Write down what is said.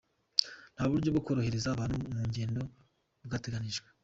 Nta buryo bwo korohereza abantu mu ngendo bwateganijwe.